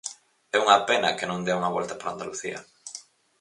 É unha pena que non dea unha volta por Andalucía.